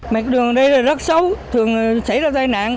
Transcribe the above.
mặt đường ở đây rất xấu thường xảy ra tai nạn